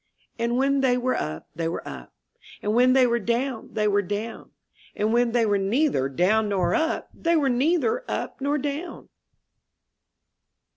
And when they were up, they were up, And when they were down, they were down; And when they were neither down nor up, They were neither up nor down.